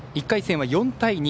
１回戦は４対２